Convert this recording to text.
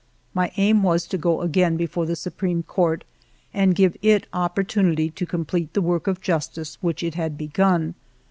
My aim was to go again before the Supreme Court, and give it opportunity to com plete the work of justice which it had begun.